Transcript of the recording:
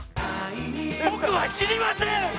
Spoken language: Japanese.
僕は死にません。